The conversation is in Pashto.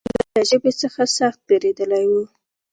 سلطان د هغه له ژبې څخه سخت بېرېدلی و.